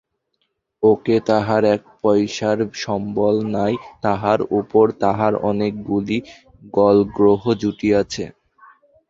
একে তাহার এক পয়সার সম্বল নাই, তাহার উপর তাহার অনেক গুলি গলগ্রহ জুটিয়াছে।